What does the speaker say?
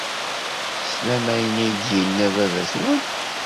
Teslam ayen ay d-yenna baba-twen.